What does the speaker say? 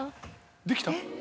できた？